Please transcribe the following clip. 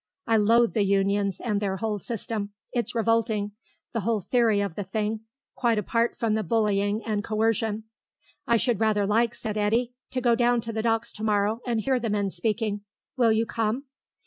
I loathe the Unions and their whole system; it's revolting, the whole theory of the thing, quite apart from the bullying and coercion." "I should rather like," said Eddy, "to go down to the Docks to morrow and hear the men speaking. Will you come?"